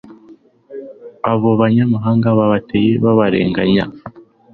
abo banyamahanga babateye babarenganya